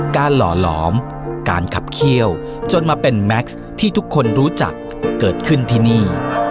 หล่อหลอมการขับเขี้ยวจนมาเป็นแม็กซ์ที่ทุกคนรู้จักเกิดขึ้นที่นี่